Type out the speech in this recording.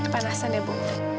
panasan ya bu